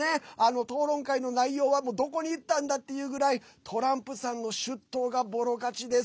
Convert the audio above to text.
討論会の内容はどこにいったんだっていうぐらいトランプさんの出頭がぼろ勝ちです。